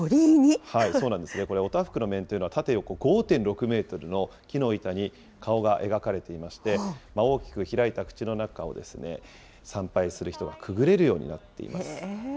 そうなんですね、これ、お多福の面というのは縦横５．６メートルの木の板に顔が描かれていまして、大きく開いた口の中を参拝する人がくぐれるようになっています。